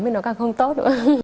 thì nó càng không tốt